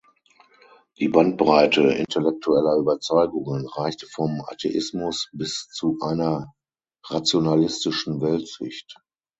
Die Bandbreite intellektueller Überzeugungen reichte vom Atheismus bis zu einer rationalistischen Weltsicht.